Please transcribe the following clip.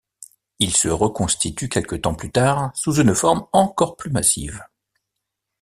Il se reconstitue quelque temps plus tard, sous une forme encore plus massive.